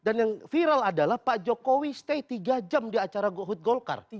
dan yang viral adalah pak jokowi stay tiga jam di acara hood goldcar